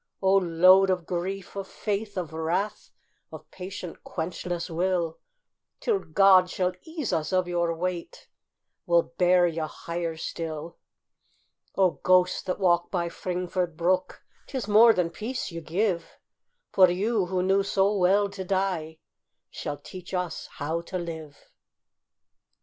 O load of grief, of faith, of wrath, Of patient, quenchless will, Till God shall ease us of your weight We'll bear you higher still! O ghosts that walk by Fringford brook, 'Tis more than peace you give, For you, who knew so well to die, Shall teach us how to live.